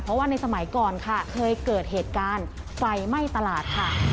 เพราะว่าในสมัยก่อนค่ะเคยเกิดเหตุการณ์ไฟไหม้ตลาดค่ะ